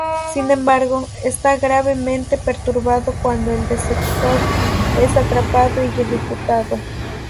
Sin embargo, está gravemente perturbado cuando el desertor es atrapado y ejecutado.